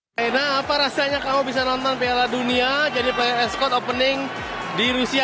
raina apa rasanya kamu bisa nonton piala dunia jadi perempuan eskod opening di rusia nay